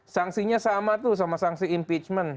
sanksinya sama tuh sama sanksi impeachment